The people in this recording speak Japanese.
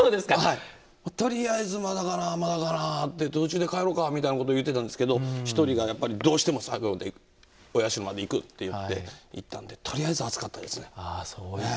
とりあえずまだかな、まだかなって途中で帰ろうかみたいなことを言ってたんですけど１人がやっぱりどうしても、お社まで行くって行ったんでとりあえず暑かったですね。